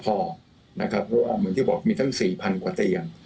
เพราะว่าเหมือนที่บอกมีทั้ง๔๐๐กว่าเตียง